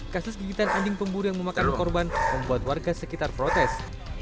kasus gigitan anjing pemburu yang memakan korban membuat warga sekitar protes